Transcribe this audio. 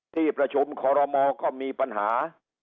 ที่ประชุมคอรมอก็มีปัญหา